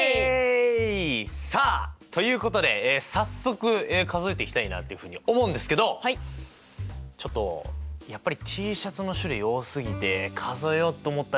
さあということで早速数えていきたいなっていうふうに思うんですけどちょっとやっぱりＴシャツの種類多すぎて数えようと思っただけで気が遠くなってますね